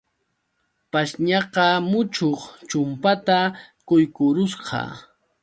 Pashñaqa muchuq chumpata quykurusqa.